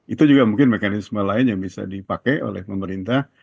itu juga mungkin mekanisme lain yang bisa dipakai oleh pemerintah